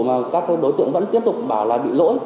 mà các đối tượng vẫn tiếp tục bảo là bị lỗi